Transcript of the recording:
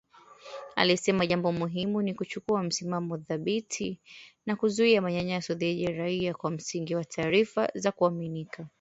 Alisema jambo muhimu ni kuchukua msimamo thabiti na kuzuia manyanyaso dhidi ya raia kwa msingi wa taarifa za kuaminika